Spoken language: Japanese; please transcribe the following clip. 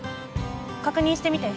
確認してみて。